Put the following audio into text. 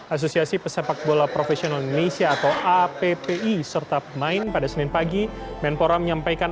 asosiasi pesepakbola profesional indonesia atau api serta pemain pada senin pagi menpora menyampaikan